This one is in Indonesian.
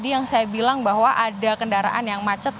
yang saya bilang bahwa ada kendaraan yang macet